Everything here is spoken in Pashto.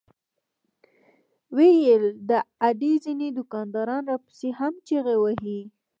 وې ئې " د اډې ځنې دوکانداران راپسې هم چغې وهي